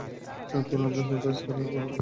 তোরা আমার সারপ্রাইজ খারাপ করছিস।